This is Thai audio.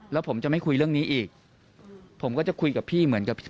แล้วผมจะไม่คุยเรื่องนี้อีกผมก็จะคุยกับพี่เหมือนกับ